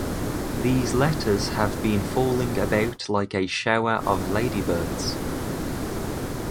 These letters have been falling about like a shower of ladybirds.